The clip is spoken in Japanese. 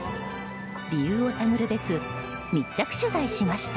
理由を探るべく密着取材しました。